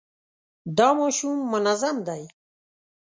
دا ماشوم منظم دی.